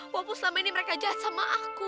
walaupun selama ini mereka jahat sama aku